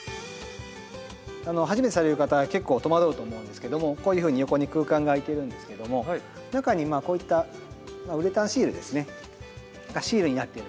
初めてされる方は結構とまどうと思うんですけどもこういうふうに横に空間があいてるんですけども中にこういったウレタンシールですねシールになっているので。